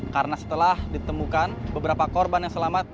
karena setelah ditemukan beberapa korban yang selamat